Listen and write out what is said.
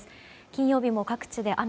金曜日も各地で雨。